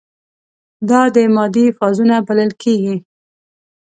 دا د مادې فازونه بلل کیږي.